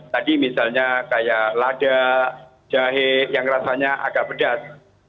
tadi misalnya kayak lada jahe yang rasanya agak pedas